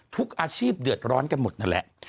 ทุกอาชีพเดือดร้อนกันหมดนั่นแหละ